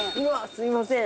すみません。